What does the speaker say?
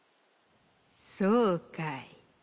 「そうかい。